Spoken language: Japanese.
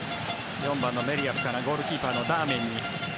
４番のメリアフからゴールキーパーのダーメンに。